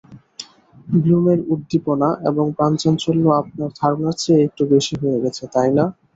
ব্লুমের উদ্দীপনা এবং প্রাণচাঞ্চল্য আপনার ধারণার চেয়ে একটু বেশি হয়ে গেছে, তাই না?